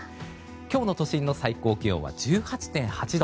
今日の都心の最高気温は１８．８度。